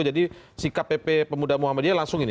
jadi si kpp pemuda muhammadiyah langsung ini